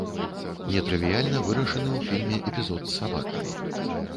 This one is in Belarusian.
Нетрывіяльна вырашаны ў фільме эпізод з сабакамі.